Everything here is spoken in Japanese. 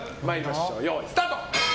よーい、スタート！